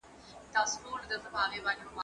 زه پرون مکتب ته وم؟!